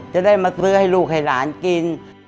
จะได้มาซื้อให้ลูกให้หลานกิน